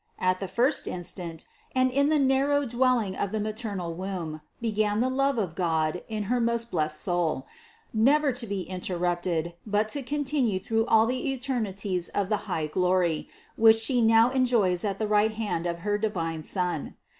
At the first instant, and in the narrow dwelling of the ma ternal womb, began the love of God in her most blessed soul, never to be interrupted, but to continue through all the eternities of that high glory, which She now enjoys at the right hand of her divine Son.